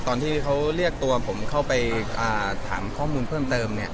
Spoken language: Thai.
ตอนที่เขาเรียกตัวผมเข้าไปถามข้อมูลเพิ่มเติม